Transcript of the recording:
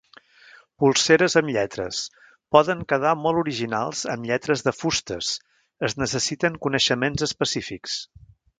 Polseres amb lletres: poden quedar molt originals amb lletres de fustes, es necessiten coneixements específics.